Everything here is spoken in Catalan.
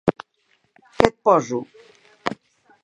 Què et poso?